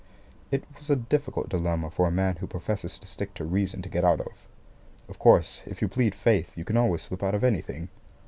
It was a difficult dilemma for a man who professes to stick to reason to get out of. Of course, if you plead faith, you can always slip out of anything.